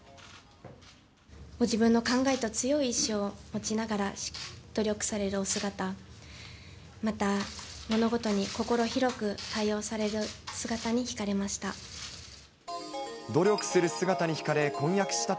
ご自分の考えと強い意志を持ちながら努力されるお姿、また物事に心広く対応される姿にひかれました。